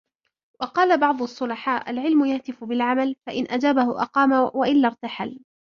وَقَالَ بَعْضُ الصُّلَحَاءِ الْعِلْمُ يَهْتِفُ بِالْعَمَلِ ، فَإِنْ أَجَابَهُ أَقَامَ وَإِلَّا ارْتَحَلَ